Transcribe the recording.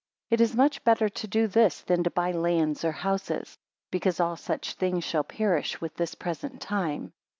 It is much better to do this, than to buy lands or houses; because all such things shall perish with this present time.